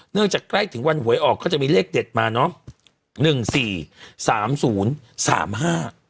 เนื่องจากใกล้ถึงวันหวยออกก็จะมีเลขเด็ดมาเนาะ